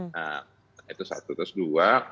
nah itu satu terus dua